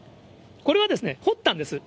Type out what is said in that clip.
これはですね、掘ったんです。